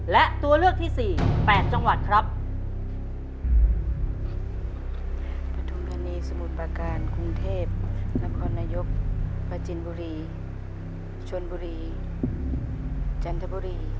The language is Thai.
และตัวเลือกที่สี่แปดจังหวัดครับ